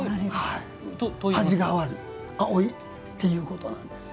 味が悪いということなんです。